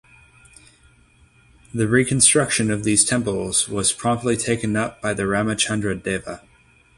The reconstruction of these temples was promptly taken up by Ramachandra Deva.